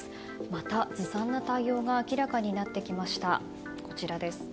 また、ずさんな対応が明らかになってきました。